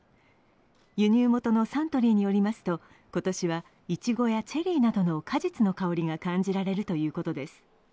輸入元のサントリーによりますと、今年はいちごやチェリーなどの果実の香りが感じられるということです。